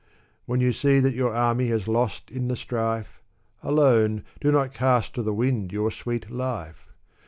When you see that your army has lost in the strife, Alone, do not cast to the wind your sweet life